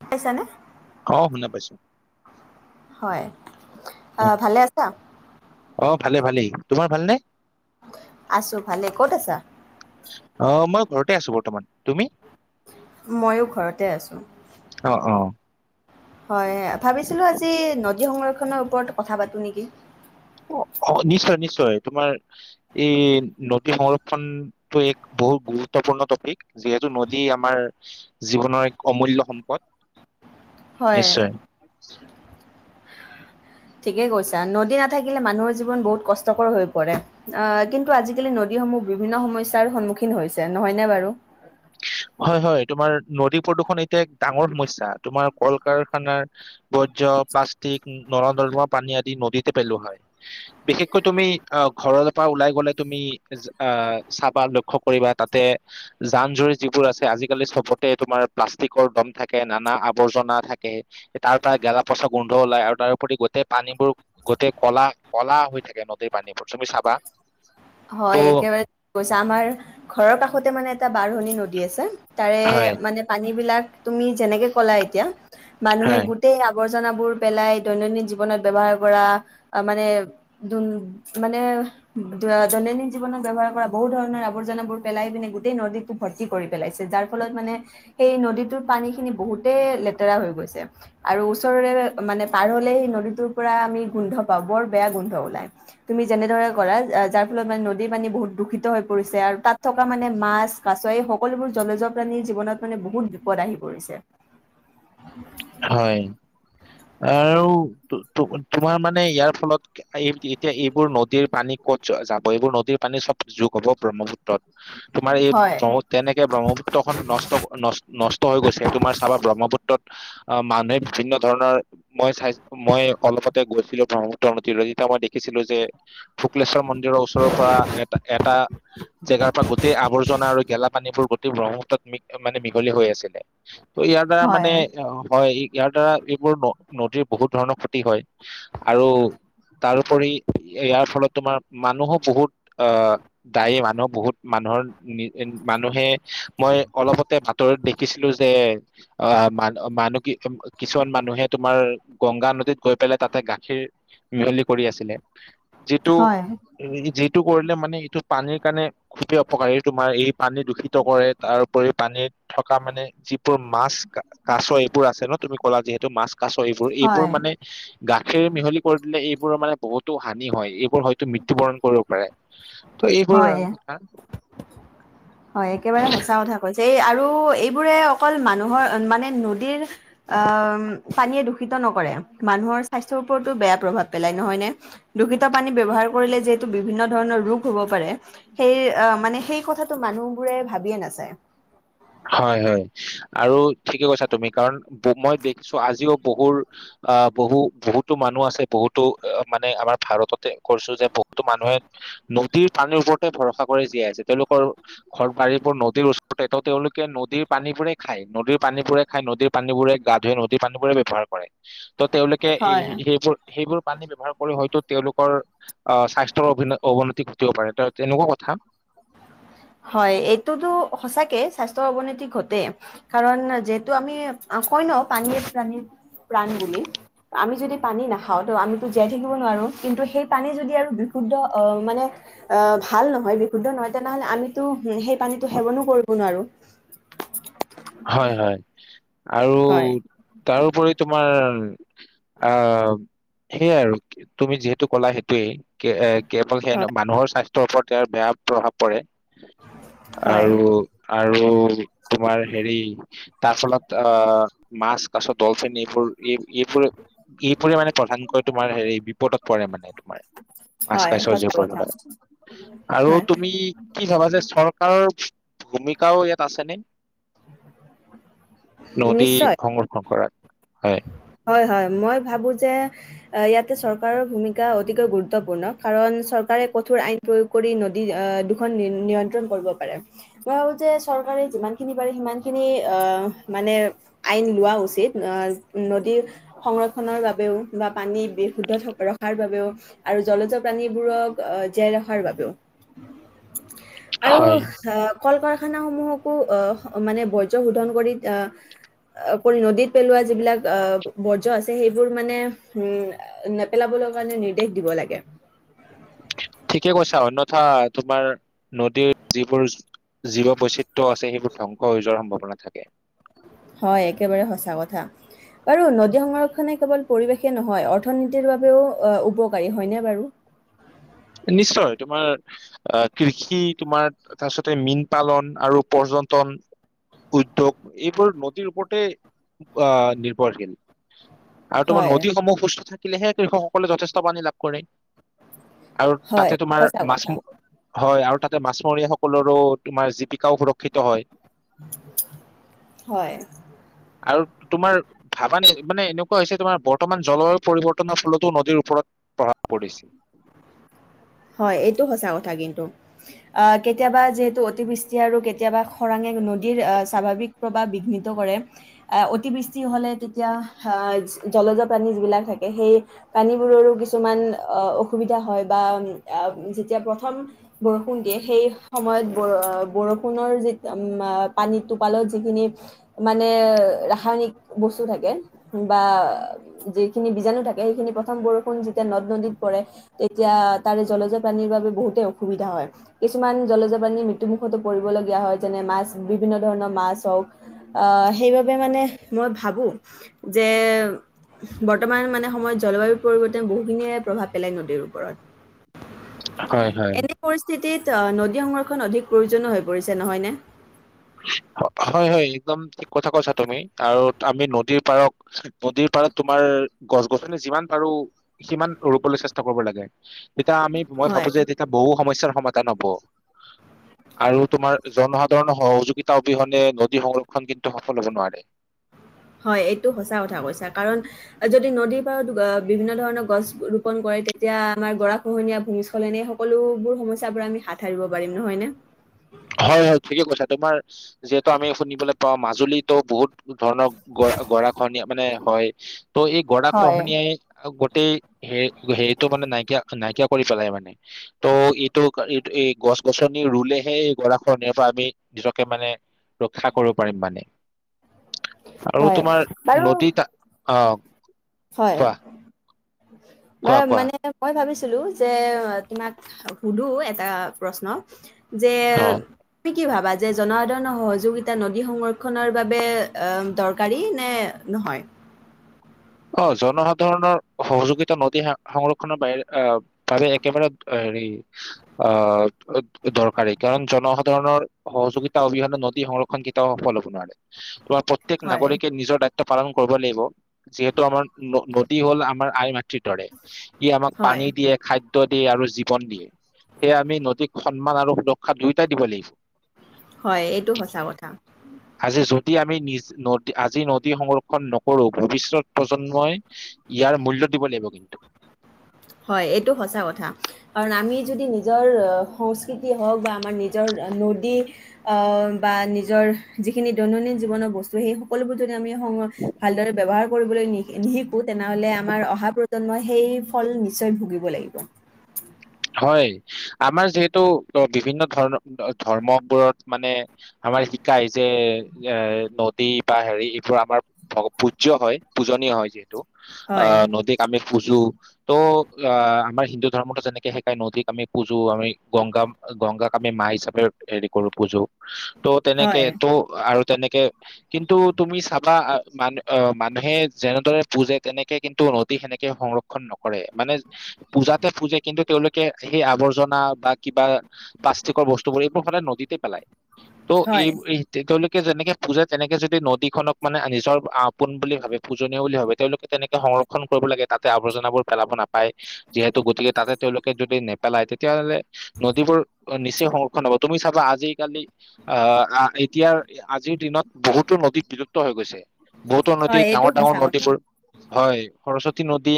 পাইছা নে? অ শুনা পাইছো। হয় উম, হয় ভালে আছা? অ ভালে ভালেই তোমাৰ ভালনে? আছো ভালে ক'ত আছা? অ মই ঘৰতে আছো বৰ্তমান তুমি? ময়ো ঘৰতে আছোঁ। অ অ হয় ভাবিছিলো আজি সংৰক্ষণৰ ওপৰত কথা পাতোঁ নেকি অ নিশ্চয় নিশ্চয় তোমাৰ এই নদী সংৰক্ষণটো এক বহুত গুৰুত্বপূৰ্ণ টপিক যিহেতু নদী আমাৰ জীৱনৰ এক অমূল্য সম্পদ। হয়। [inaudible] নিশ্চয় ঠিকেই কৈছা নদী নাথাকিলে মানুহৰ জীৱন বহুত কষ্টকৰ হৈ পৰে। আহ কিন্তু আজি কালি নদীসমূহ বিভিন্ন সমস্যাৰ সন্মুখীন হৈছে নহয়নে বাৰু। হয় হয় তোমাৰ নদী প্ৰদূষণ এতিয়া এক ডাঙৰ সমস্যা। তোমাৰ কল কাৰখানাৰ বৰ্জ্য প্লাষ্টিক নৰদম্ পানী আদি নদীতে পেলোৱা হয়। বিশেষকৈ তুমি আহ ঘৰৰ পৰা ওলাই গলে তুমি আহ চাবা লক্ষ্য কৰিবা তাতে যান জুৰি যিবোৰ আছে আজিকালি চবতে তোমাৰ প্লাষ্টিকৰ দম থাকে। নানা আৱৰ্জনা থাকে তাৰ পৰা গেলা পচা গোন্ধ ওলাই আৰু তাৰপৰি গোটেই পানীবোৰ গোটেই কলা কলা হৈ থাকে নদীৰ পানীবোৰ তুমি চাবা। ত' হয় একেবাৰে কৈছা। আমাৰ ঘৰৰ কাষতে মানে এটা বাৰহনী নদী আছে তাৰে হয় মানে পানী বিলাক তুমি যেনেকে ক'লা এতিয়া, মানুহে হয় গোটেই, আৱৰ্জনাবোৰ পেলাই দৈনন্দিন জীৱনত ব্যৱহাৰ কৰা মানে-উম মানে--ধৰা। দৈনন্দিন জীৱনত ব্যৱহাৰ কৰা বহুত ধৰণৰ আৱৰ্জনাবোৰ পেলাই পিনে গোটেই নদীটো ভৰ্তি কৰি পেলাইছে। যাৰ ফলত মানে সেই নদীটোৰ পানী খিনি বহুতে লেতেৰা হৈ গৈছে আৰু ওচৰৰে মানে পাৰ হলে সেই নদীটোৰ পৰা আমি গোন্ধ পাওঁ, বৰ বেয়া গোন্ধ ওলাই তুমি যেনেদৰে কৰা যাৰ ফলত মানে নদীৰ পানী বহুত দূষিত হৈ পৰিছে আৰু তাত থকা মানে মাছ- কাছ এই সকলোবোৰ জলজৰ প্ৰাণীৰ জীৱনত মানে বহুত বিপদ আহি পৰিছে। হয়', আৰু তোমাৰ মানে ইয়াৰ ফলত এই', - এতিয়া এইবোৰ নদীৰ পানী কত যাব এইবোৰ নদীৰ পানী চব যোগ হব- ব্ৰহ্মপুত্ৰ তোমাৰ এই হয় ব্ৰহ্ম তেনেকে ব্ৰহ্মপুত্ৰ খন নষ্ট- নষ্ট হৈ গৈছে, তোমাৰ চাবা ব্ৰহ্মপুত্ৰত অ', মানে বিভিন্ন ধৰণৰ মই চাই মই অলপতে গৈছিলো ব্ৰহ্মপুত্ৰ নদী লৈ তেতিয়া মই দেখিছিলো যে', - শুক্লেশ্বৰ মন্দিৰৰ ওচৰৰ পৰা এটা-এটা। জেগাৰ পৰা গোটেই আৱৰ্জনা আৰু গেলাাপানীবোৰ, গোটেই ব্ৰহ্মপুত্ৰত মানে মিঘলি হৈ আছিলে। ত', ইয়াৰ দ্বাৰা মানে হয় অ', হয়', ইয়াৰ দ্বাৰা এইবোৰ নদীৰ বহুত ধৰণৰ ক্ষতি হয় আৰু তাৰোপৰি ইয়াৰ ফলত তোমাৰ মানুহো বহুত অ দায়ী মানুহ বহুত মানুহৰ - মানুহে মই', অলপতে বাতৰত দেখিছিলো যে', অ', মানহ - মানুহ। কিছুমান মানুহে তোমাৰ গংগা -নদীত গৈ পেলাই তাতে গাখীৰ মিহলি কৰি আছিলে। হয় যিটো-যিটো কৰিলে মানে ইটো পানীৰ, সেই কাৰণে খুবেই অপকাৰী এই', তোমাৰ এই', পানী দূষিত কৰে তাৰ উপৰি, পানীত থকা মানে যিবোৰ মাছ, কাঁছ, বোৰ আছে ন', তুমি ক'লা যিহেতু মাছ-কাছ এইবোৰ-এইবোৰ হয় মানে গাখীৰ মিহি কৰি দিলে এইবোৰ মানে বহুত -টো হানি হয়', এই। হয়তো মৃত্যু- বৰণ কৰিব পাৰে। ত', এইবোৰ হয় কথা। হয়', একেবাৰে সঁচা কথা কৈছে। সেই আৰু এইবোৰে অকল মানুহৰ মানে নদীৰ অ পানীয়ে দূষিত নকৰে মানুহৰ স্বাস্থ্যৰ ওপৰতো বেয়া প্ৰভাৱ পেলায়, নহয় নে', দূষিত পানী ব্যৱহাৰ কৰিলে যিহেতু বিভিন্ন। ধৰণৰ ৰোগ হ'ব পাৰে সেই মানে সেই কথা মানুহবোৰে ভাবিয়ে নাচায়। হয়-হয় আৰু ঠিকে কৈছা তুমি কাৰণ মই দেখিছো আজিও বহুৰ আহ বহু- বহুতো মানুহ আছে বহুতো মানে আমাৰ ভাৰততে কৰিছো যে বহুতো মানুহে, নদীৰ পানীৰ ওপৰতে ভৰসা কৰি জীয়াই আছে, তেওঁলোকৰ ঘৰ- বাৰী বোৰ নদীৰ ওচৰতে তেওঁ-তেওঁলোক নদীৰ পানীবোৰে খায়, নদীৰ পানীবোৰে খায় নদীৰ পানীবোৰে গা- ধুৱে, নদীৰ- পানীবোৰে ব্যৱহাৰ কৰে। তো', তেওঁলোকে হয় সেইবোৰ- সেইবোৰ। পানী ব্যৱহাৰ কৰি হয়তো তেওঁলোকৰ আহ', স্বাস্থ্যৰ অৱনতি ঘটিব পাৰে ত', তেনেকুৱা কথা। হয়', এইটোতো সচাকে স্বাস্থ্য অৱনতি ঘটেই কাৰণ যিহেতু আমি কই ন', পানীয়ে - প্ৰানীৰ - প্ৰাণ বুলি আমি যদি পানী নাখাও ত', আমিতো জীয়াই থাকিব নোৱাৰো। কিন্তু সেই পানী যদি আৰু বিশুদ্ধ অ মানে ভাল নহয় বিশুদ্ধ নহয় তেনেহলে আমিতো সেই পানীটো সেৱনো কৰিব নোৱাৰো। হয়', - হয় ', আৰু হয়, তাৰ ওপৰি তোমাৰ। আহ সেইয়াই আৰু তুমি যিহেতু কলা সেইটোৱেই। এ কেৱল সে হয়, মানুহৰ স্বাস্থ্য। ওপৰত ইয়াৰ বেয়া প্ৰভাৱ পৰে। হয়, আৰু আৰু আৰু তোমাৰ। হেৰি তাৰ ফলত আহ মাছ কাছত। ডলফিন এইবোৰ এই এইবোৰে এইবোৰে মানে প্ৰধানকৈ তোমাৰ হেৰি বিপদত পৰে মানে তোমাৰ মাজ হয় কাচ সঁচা যিবোৰ কথা হয় আৰু হয় তুমি কি ভাবা যে চৰকাৰৰ। ভূমিকাও ইয়াত আছে নে। নদী নিশ্চয়। সংৰক্ষণ কৰা। হয়। হয় হয় মই ভাবো যে ইয়াতে চৰকাৰৰ ভূমিকা অতিকৈ গুৰুত্বপূৰ্ণ কাৰণ চৰকাৰে কঠোৰ আইন প্ৰয়োগ কৰি নদী দুখন নিয়ন্ত্ৰণ কৰিব পাৰে মই ভাবো যে চৰকাৰে যিমানখিনি পাৰে সিমানখিনি অহ মানে আইন লোৱা। উচিত নদী সংৰক্ষনৰৰ বাবেও বা পানী বিশুদ্ধ থ ৰখাৰ বাবেও আৰু জলজ প্ৰাানীবোৰক অহ জীয়াই ৰখাৰ বাবেওঁ। আৰু হয় অহ। কল কাৰখানাসমূহকো অহ মানে বৰ্জ শোধন কৰি অহ কৰি নদীত পেলোৱা যিবিলাক। বৰ্জ আছে সেইবোৰ মানে উম নেপেলাবলৈ কাৰণে নিৰ্দেশ দিব লাগে। ঠিকে কৈছা অন্যথা তোমাৰ নদীৰ যিবোৰ জীৱ বৈচিত্ৰ্য আছে সেইবোৰ ধ্বংস হৈ যোৱাৰ সম্ভাৱনা থাকে। হয় একেবাৰে সঁচা কথা বাৰু নদী সংৰক্ষনে কেৱল পৰিৱেশে নহয় অৰ্থনীতিৰ বাবেও উপকাৰী হয়নে বাৰু। নিশ্চয় তোমাৰ আহ কৃষি তোমাৰ তাৰপিছতে মীন পালন আৰু পৰ্যটন উদ্যোগ এইবোৰ নদীৰ ওপৰতে আহ নিৰ্ভৰশীল। আৰু তোমাৰ হয়, নদীসমূহ সুস্থ। থাকিলেহে কৃষকসকলে যথেষ্ট পানী লাভ কৰে। আৰু হয় তাতে তোমাৰ সঁচা মাছ কথা। হয় আৰু। তাতে মাছমৰীয়াসকলৰো তোমাৰ জীৱিকাও সুৰক্ষিত হয়। হয়। আৰু তোমাৰ ভাৱানে মানে এনেকুৱা হৈছে তোমাৰ বৰ্তমান জলবায়ু পৰিৱৰ্তনৰ ফলতো নদীৰ ওপৰত প্ৰভাৱ পৰিছে। হয় এইটো সঁচা কথা কিন্তু আহ কেতিয়াবা যিহেতু অতিবৃষ্টি আৰু কেতিয়াবা খৰাঙে নদীৰ স্বাভাৱিক প্ৰভাৱ বিঘ্নিত কৰে আহ অতিবৃষ্টি হলে তেতিয়া আহ জলজ প্ৰাানী যিবিলাক থাকে সেই প্ৰাানীবোৰৰো কিছুমান অসুবিধা হয় বা। যেতিয়া প্ৰথম। বৰষুণ দিয়ে সেই সময়ত। ব বৰষুণৰ যি ম পানী টোপালত যিখিনি মানে ৰাসায়নিক বস্তু থাকে বা যিখিনি বীজাণু থাকে সেইখিনি প্ৰথম বৰষুণ যি। তে নদ নদীত পৰে। এতিয়া। তাৰে জলজপ্ৰাণীৰ বাবে বহুতেই অসুবিধা হয় কিছুমান জলজ প্ৰাণীৰ মৃত্যুমুখতো পৰিবলগীয়া হয় যেনে মাছ বিভিন্ন ধৰণৰ মাছ হওক আহ সেইবাবে মানে মই ভাবো যে বৰ্তমান মানে সময়ত জলবায়ু পৰিৱৰ্তন বহুখিনিয়ে প্ৰভাৱ পেলাই নদীৰ ওপৰত। হয় হয় এনে পৰিস্থিতিত নদী সংৰক্ষ। অধিক প্ৰয়োজনীয় হৈ পৰিছে নহয়নে। হয় হয় একদম ঠিক কথা কৈছা তুমি আৰু আমি নদীৰ পাৰত নদীৰ পাৰত তোমাৰ গছ গছনি যিমান পাৰো সিমান ৰুবলৈ চেষ্টা কৰিব লাগে। এতিয়া আমি মই ভাবো হয় যে এতিয়া বহু সমস্যা ক্ষমতা নব আৰু তোমাৰ জনসাধাৰণ হওঁক। যোগিতা অবিহনে নদী সংৰক্ষণ কিন্তু সফল হ'ব নোৱাৰে। হয় এইটো সঁচা কথা কৈছা কাৰণ যদি। দি নদীৰ পাৰ বিভিন্ন ধৰণৰ গছ ৰোপন কৰে তেতিয়া আমাৰ গৰা খহনীয়া ভূমিস্খলন এই সকলোবোৰ সমস্যা পৰা আমি হাত সাৰিব পাৰিম। নহয় নে? হয় হয় ঠিকে কৈছা তোমাৰ যিহেতু আমি শুনিবলৈ পাও মাজুলীতো বহুত ধৰণৰ গ গৰাখনীয়া মানে হয় ত এই গৰা হয়, খহনীয়াই, হে হেৰিটো মানে নাইকিয়া নাইকিয়া কৰি পেলাই মানে ত' এইটো এইটো এই গছ গছনি ৰুলেহে গৰাখৰনিৰ পৰা আমি নিজকে মানে ৰক্ষা কৰিব পাৰিম মানে। আৰু হয় তোমাৰ বাৰু নদীত অ হয়। কোৱা বা কোৱা কোৱা মানে মই ভাবিছো। লো যে তোমাক সুধো এটা প্ৰশ্ন যে অ তুমি কি ভাবা যে জনসাধাৰণৰ সহযোগিতা নদী সংৰক্ষণৰ বাবে দৰকাৰী নে নহয়? অ জনসাধাৰণৰ সহযোগিতা নদী সংৰক্ষনৰৰ বাবে একেবাৰে হেৰি আহ দৰকাৰী কাৰণ জনসাধাৰণৰ সহযোগিতা অবিহনে নদী সংৰক্ষণ কেটাও সফল হব নোৱাৰে। তোমাৰ প্ৰত্যেক হয়, নাগৰিকে নিজৰ দায়ি পালন কৰিব লাগিব। যিহেতু আমাৰ নদী হল আমাৰ আই মাতৃৰ দৰে। কি আমাক হয়, পানী দিয়ে, খাদ্য গুৰুত্ব দিয়ে আৰু জীৱন দিয়ে সেয়ে আমি নদীক সন্মান আৰু সুৰক্ষা দুয়োটাই দিব লাগিব। হয় এইটো সঁচা কথা। আজি যদি আমি নিজ আজি নদী সংৰক্ষণ নকৰো ভৱিষ্যত প্ৰজন্মই ইয়াৰ মূল্য দিব লাগিব কিন্তু। হয় এইটো সঁচা কথা। কাৰণ আমি যদি নিজৰ সংস্কৃতি হওঁক বা আমাৰ নিজৰ নদী আহ বা নিজৰ যিখিনি দৈনন্দিন জীৱনৰ বস্তু সেই সকলোবোৰ য আমি ভালদৰে ব্যৱহাৰ কৰিবলৈ নিশিকো, তেনেহলে আমাৰ অহা প্ৰজন্মই সেই ফল নি নিশ্চয় ভুগিব লাগিব। হয় আমাৰ যিহেতু বিভিন্ন ধৰ্ম ধৰ্মবোৰত মানে আমাৰ শিকায় যে এ নদী বা হেৰি এইবোৰ আমাৰ পূজ্য হয় পূজনীয় হয় যিহেতু। অ হয়, নদীক আমি পুজো। ত' অ আমাৰ হিন্দু ধৰ্মতো যেনেকে নদীক আমি পূজো আমি গংগা গংগাক আমি মা হিচাপে হেৰি কৰো পুজো ত' তেনেকে হয়, ত আৰু তেনেকে কিন্তু তুমি চাবা মানু অ মানুহে যেনেদৰে পুজে তেনেকে কিন্তু নদী সেনেকে সংৰক্ষণ নকৰে। মানে পূজাতে পুজে কিন্তু তেঁও কে সেই আৱৰ্জনা বা কিবা প্লাষ্টিকৰ বস্তু বোৰ এইবোৰ সদায় নদীতে পেলায়। ত হয়, এই তেওঁলো যেনেকে পুজে তেনেকে যদি নদীখনক মানে নিজৰ আপোন বুলি ভাবে পূজনীয় বুলি ভাবে তেওঁলোকে তেনেকে সংৰক্ষণ কৰিব লাগে। তাতে আৱৰ্জনাবোৰ পেলাব নাপায় পায়। যদি নেপেলায় তেতিয়াহ'লে নদীবোৰ নিচ্চই সংৰক্ষণ হব তুমি চা আজিকালি আহ এতিয়া আজিৰ দিনত বহুতো নদী বিলুপ্ত হৈ গৈছে। বহুতো নদী হয়, এইটো ডাঙৰ ডাঙৰ সঁচা কথা। নদীবোৰ হয় সৰস্বতী নদী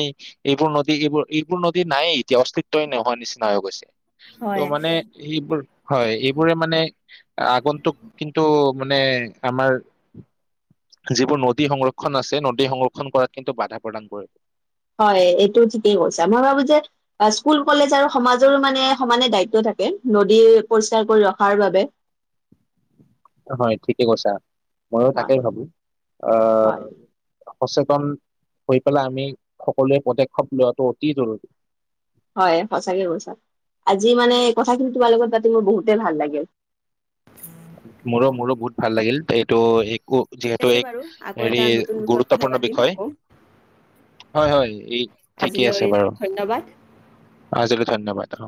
এইবোৰ নদী এইবোৰ এইবোৰ নদী নাই ইতিয়া অস্তিত্ব ত নোহোৱা নিচিনা হৈ গৈছে। ত' হয়। মানে এইবোৰ হয়, এইবোৰে মানে আগন্তুক কিন্তু মানে আমাৰ যিবোৰ নদী সংৰক্ষণ আছে নদী সংৰক্ষণ কৰাত কিন্তু বাধাত প্ৰদান কৰিব হয় এইটো ঠিকেই কৈছা মই ভাবো যে স্কুল কলেজ আৰু সমাজৰো মানে সমানে দায়িত্ব থাকে, নদী পৰিষ্কাৰ কৰি ৰখাৰ বাবে। হয় ঠিকে কৈছা। ময়ো তাকেই হয়, ভাবো হয়। আহ। সচেতন হৈ পেলাই আমি সকলোৱে পদক্ষেপ লোৱাটো অতি জৰুৰী। হয় সঁচাকে কৈছা, আজি মানে কথাখিনি তোমাৰ লগত পাতি মোৰ বহুতে ভাল লাগিল। মোৰো মোৰো বহুত ভাল লাগিল এইটো ঠিক যিহেতু আছে এক বাৰু আকৌ হেৰি এটা নতুন বিষয়ত কথা গুৰুত্বপূৰ্ণ পাতিম বিষয় আকৌ হয় হয় এই ঠিকেই আজিলৈ আছে বাৰু ধন্যবাদ আজি লৈ ধন্যবাদ।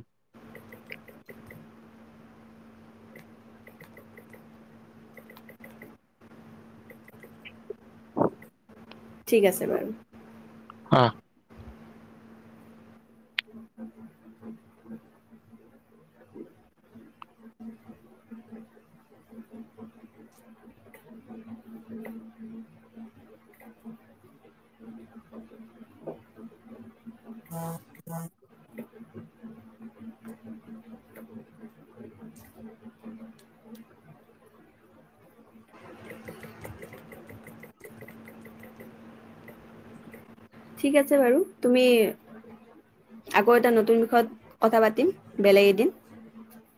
ঠিক আছে বাৰু। হা [unintelligible] [unintelligible] [unintelligible] [inaudible] [inaudible] ঠিক আ বাৰু তুমি আকৌ এ নতুন বিষয়ত কথা পাতিম বেলেগ এদিন।